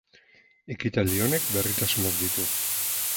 Ekitaldi honek berritasunak ditu.